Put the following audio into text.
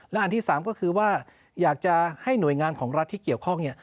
และอันที่๓ก็คือว่าอยากจะให้หน่วยงานของรัฐที่เกี่ยวข้อง